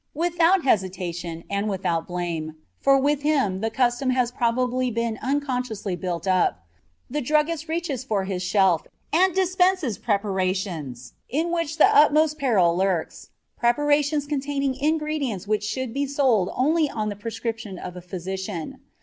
Without hesitation, and without blame, for with him the custom has probably been unconsciously built up, the druggist reaches to his shelf and dispenses preparations in which the utmost peril lurks preparations containing ingredients which should be sold only on the prescription of a physician.